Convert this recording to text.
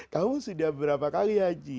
kamu sudah berapa kali haji